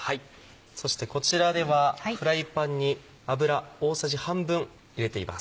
そしてこちらではフライパンに油大さじ半分入れています。